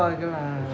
rồi ông lên nhà đi